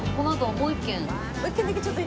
もう一軒。